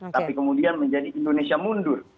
tapi kemudian menjadi indonesia mundur